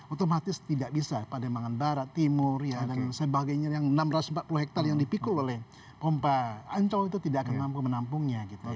otomatis tidak bisa pademangan barat timur dan sebagainya yang enam ratus empat puluh hektare yang dipikul oleh pompa ancol itu tidak akan mampu menampungnya gitu